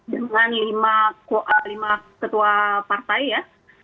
dengan lima ketua partai ya